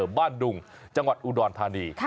อำเภอบ้านดุงจังหวัดอูดอนธานี